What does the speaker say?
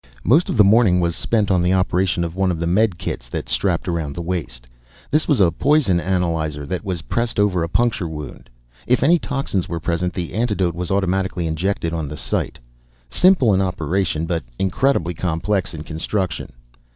Most of the morning was spent on the operation of one of the medikits that strapped around the waist. This was a poison analyzer that was pressed over a puncture wound. If any toxins were present, the antidote was automatically injected on the site. Simple in operation but incredibly complex in construction.